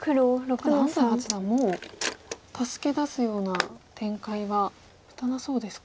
ただ安斎八段もう助け出すような展開は打たなそうですか。